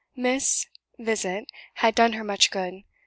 Miss 's visit had done her much good.